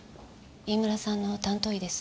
飯村さんの担当医です。